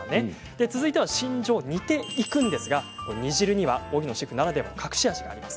続いては煮ていくんですけれど煮汁には荻野シェフならではの隠し味があります。